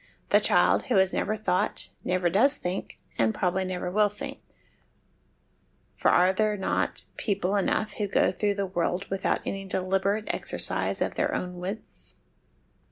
The child who never has thought, never does think, and probably never will think; for 154 HOME EDUCATION are there not people enough who go through the world without any deliberate exercise of their own wits